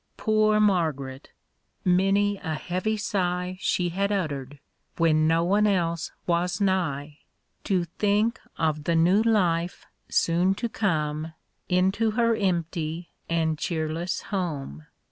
Poor Mari^arct I Mixny a heavy sigh She had uttered, when no one else was nigli, To think of tlie new life soon to come Into her empty and cheerless home ; 24 THE BABY S THINGS.